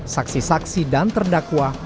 saksi saksi dan terdakwa